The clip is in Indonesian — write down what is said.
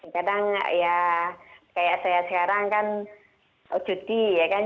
kadang ya kayak saya sekarang kan cuti ya kan